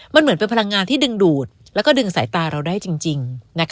มันเหมือนเป็นพลังงานที่ดึงดูดแล้วก็ดึงสายตาเราได้จริง